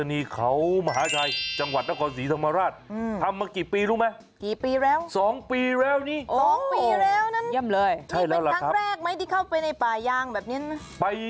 ๒ปีแล้วนั้นนี่เป็นครั้งแรกไหมที่เข้าไปในป่าย่างแบบนี้นะ